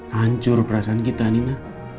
hancur perasaan kita nina